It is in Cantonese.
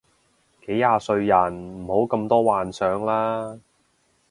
幾廿歲人唔好咁多幻想啦